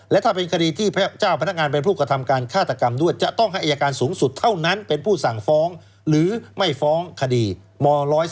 และถ้าเป็นคดีที่เจ้าพนักงานเป็นผู้กระทำการฆาตกรรมด้วยจะต้องให้อายการสูงสุดเท่านั้นเป็นผู้สั่งฟ้องหรือไม่ฟ้องคดีม๑๔